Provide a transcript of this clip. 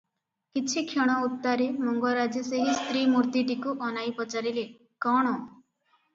କିଛିକ୍ଷଣ ଉତ୍ତାରେ ମଙ୍ଗରାଜେ ସେହି ସ୍ତ୍ରୀ ମୂର୍ତ୍ତିଟିକୁ ଅନାଇ ପଚାରିଲେ, "କ'ଣ?"